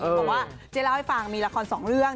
บอกว่าเจ๊เล่าให้ฟังมีละครสองเรื่อง